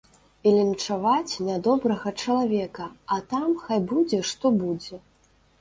І лінчаваць нядобрага чалавека, а там хай будзе што будзе.